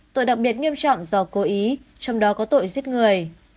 tội đặc biệt nghiêm trọng do cố ý trong đó có tội giết người